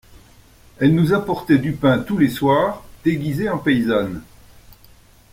Elle nous apportait du pain tous les soirs, déguisée en paysanne.